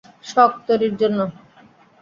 শক তৈরীর জন্য?